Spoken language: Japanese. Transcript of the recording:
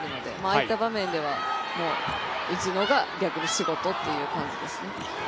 ああいった場面では打つのが逆に仕事って感じですね。